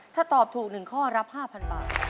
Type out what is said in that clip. ถ้าตอบถูก๑ข้อรับ๕๐๐บาท